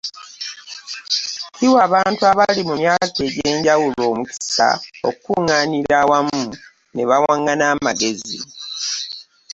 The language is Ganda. Kiwa abantu abali mu myaka egy’enjawulo omukisa okukunganira awamu ne bawanganna amagezi.